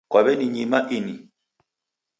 Kwaw'enimanya ini?